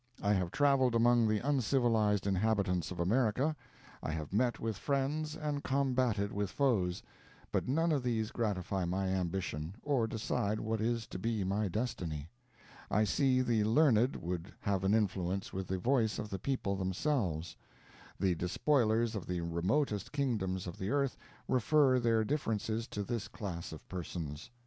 I have traveled among the uncivilized inhabitants of America. I have met with friends, and combated with foes; but none of these gratify my ambition, or decide what is to be my destiny. I see the learned would have an influence with the voice of the people themselves. The despoilers of the remotest kingdoms of the earth refer their differences to this class of persons.